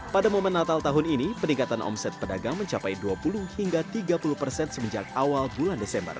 pada momen natal tahun ini peningkatan omset pedagang mencapai dua puluh hingga tiga puluh persen semenjak awal bulan desember